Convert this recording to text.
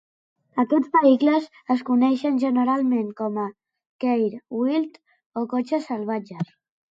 Aquests vehicles es coneixen generalment com a "ceir gwyllt" o "cotxes salvatges".